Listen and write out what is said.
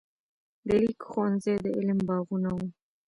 د لیک ښوونځي د علم باغونه وو.